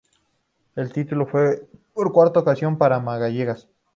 El título fue por cuarta ocasión para Magallanes.